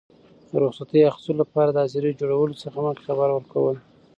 د رخصتي اخیستلو لپاره د حاضرۍ جوړولو څخه مخکي خبر ورکول.